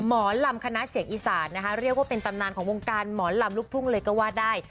หมอลำคณะเสียงอีสานนะคะเรียกว่าเป็นตำนานของวงการหมอลำลูกทุ่งเลยก็ว่าได้